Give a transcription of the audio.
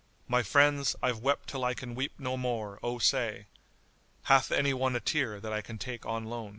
My friends, I've wept till I can weep no more, Oh, say, * Hath any one a tear that I can take on loan."